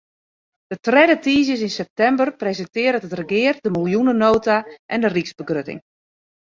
De tredde tiisdeis yn septimber presintearret it regear de miljoenenota en de ryksbegrutting.